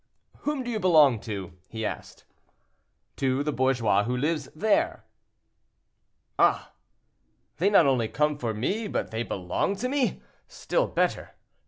"Whom do you belong to?" he asked. "To the bourgeois who lives there." "Ah! they not only come for me, but they belong to me—still better.